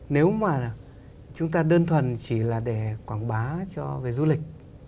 nếu mà chúng ta đơn thuần chỉ là để quảng bá cho về du lịch